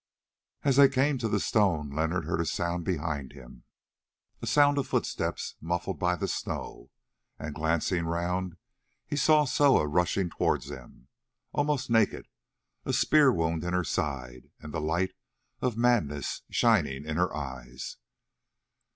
As they came to the stone Leonard heard a sound behind him, a sound of footsteps muffled by the snow, and glancing round he saw Soa rushing towards them, almost naked, a spear wound in her side, and the light of madness shining in her eyes.